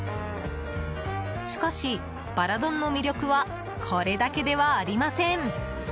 しかし、バラ丼の魅力はこれだけではありません。